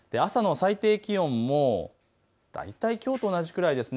朝の最低気温も大体きょうと同じくらいです。